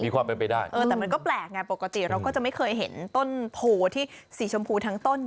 ความเป็นไปได้เออแต่มันก็แปลกไงปกติเราก็จะไม่เคยเห็นต้นโพที่สีชมพูทั้งต้น